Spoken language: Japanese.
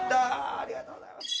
ありがとうございます。